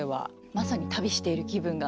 まさに旅している気分が。